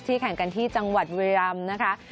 แข่งกันที่จังหวัดบุรีรำนะคะ